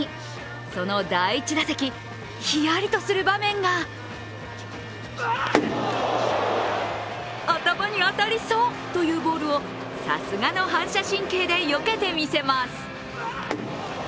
その第１打席ひやりとする場面が頭に当たりそうというボールをさすがの反射神経でよけてみせます。